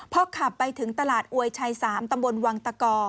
พอขับไปถึงตลาดอวยชัย๓ตำบลวังตะกอ